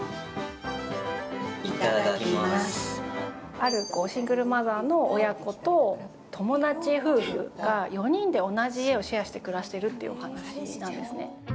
あるシングルマザーの親子と友達夫婦、４人で同じ家をシェアして暮らしているというお話なんですね。